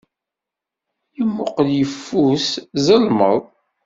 Yemmuqqel yeffus, zelmeḍ.